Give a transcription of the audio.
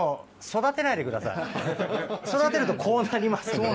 育てるとこうなりますから。